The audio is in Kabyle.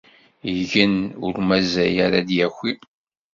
igen, ur mazal ara ad d-yaki.